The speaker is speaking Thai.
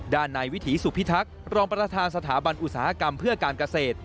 ด้านในวิถีสุพิทักษ์รองประธานสถาบันอุตสาหกรรมเพื่อการเกษตร